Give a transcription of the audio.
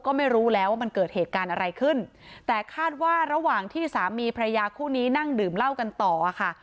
ก็ไม่รู้แล้วว่ามันเกิดเหตุการณ์อะไรขึ้นแต่คาดว่าระหว่างที่สามีพระยาคู่นี้นั่งดื่มเหล้ากันต่อค่ะ